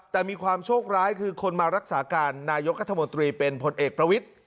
แต่มีความโชคร้ายคือคนมารักษาการนายกรัฐมนตรีเป็นผลเอกประวิทธิ